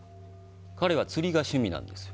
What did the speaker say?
彼は釣りが趣味なんですよ。